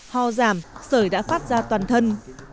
ho giảm sởi đã phát ra toàn thân